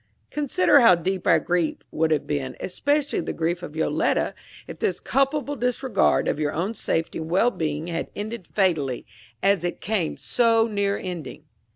Consider how deep our grief would have been, especially the grief of Yoletta, if this culpable disregard of your own safety and well being had ended fatally, as it came so near ending!